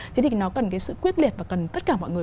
thế thì nó cần cái sự quyết liệt và cần tất cả mọi người